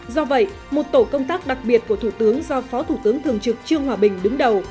do vậy một tổ công tác đặc biệt của thủ tướng do phó thủ tướng thường trực trương hòa bình đứng đầu